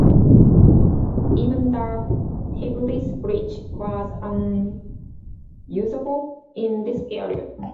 Even the Tigris bridge was unusable in this period.